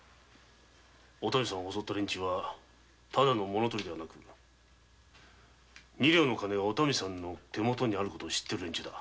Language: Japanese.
お民さんを襲った連中はただの物取りではなく二両の金が手もとにあると知ってる連中だ。